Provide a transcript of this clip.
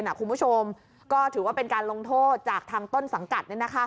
คุณผู้ชมก็ถือว่าเป็นการลงโทษจากทางต้นสังกัด